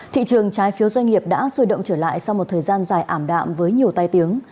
thị trường trái phiếu doanh nghiệp đã sôi động trở lại sau một thời gian dài ảm đạm với nhiều tai tiếng